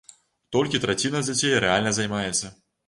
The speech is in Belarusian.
Толькі траціна дзяцей рэальна займаецца.